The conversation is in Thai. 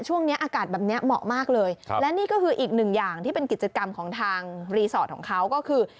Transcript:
ช่วงนี้อากาศแบบนี้เหมาะมากเลยและนี่ก็คืออีกหนึ่งอย่างที่เป็นกิจกรรมของทางรีสอร์ทของเขาก็คือ